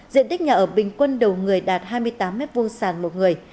diện tích nhà ở bình quân đầu người đạt hai mươi tám m hai sàng một người